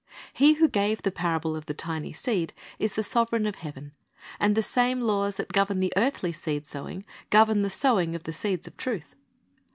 He who gave the parable of the tiny seed is the Sovereign of heaven, and the same laws that govern earthly seed sowing govern the sowing of the seeds of truth.